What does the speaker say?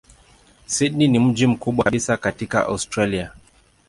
Sydney ni mji mkubwa kabisa katika Australia.